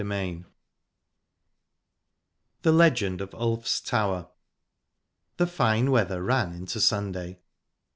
Chapter IV THE LEGEND OF ULF'S TOWER The fine weather ran into Sunday.